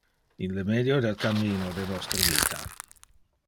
In le medio del cammino de nostre vita.